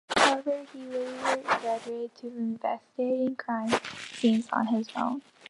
However, he later graduated to investigating crime scenes on his own.